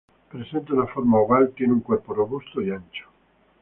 Presenta una forma oval, tiene un cuerpo robusto y ancho.